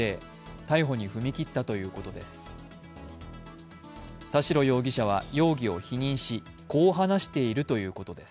逮捕に踏み切ったということです。